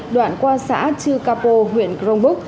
đoạn qua xã chư cà pô huyện crong búc